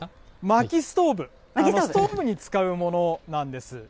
まきストーブに使うものなんです。